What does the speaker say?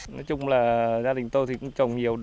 nói chung là gia đình tôi thì cũng trồng nhiều